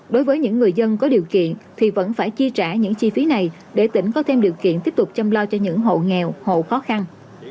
đối với những người dân có điều kiện thì vẫn phải chi trả những chi phí này để tỉnh có thêm điều kiện tiếp tục chăm lo cho những hộ nghèo hộ khó khăn